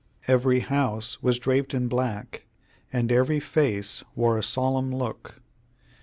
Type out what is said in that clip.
Every house was draped in black, and every face wore a solemn look.